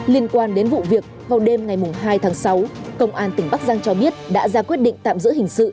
liên quan đến vụ việc vào đêm ngày hai tháng sáu công an tỉnh bắc giang cho biết đã ra quyết định tạm giữ hình sự